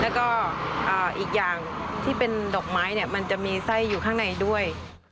แล้วก็อีกอย่างที่เป็นดอกไม้เนี่ยมันจะมีไส้อยู่ข้างในด้วย